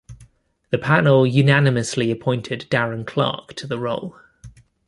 The panel unanimously appointed Darren Clarke to the role.